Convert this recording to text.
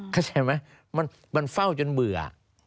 เข้าใจไหมมันเฝ้าจนเบื่อ